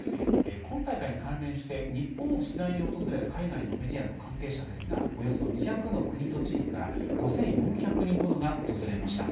今大会に関連して日本を取材に訪れた海外のメディアの関係者ですがおよそ２００の国と地域から５４００人ほどが訪れました。